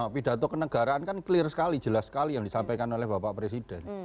pidato kenegaraan kan clear sekali jelas sekali yang disampaikan oleh bapak presiden